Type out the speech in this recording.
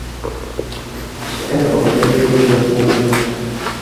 Sheʼr oʼqiydi – koʼz yoshday tiniq.